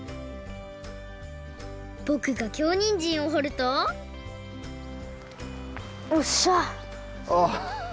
ぼくが京にんじんをほるとおっしゃ！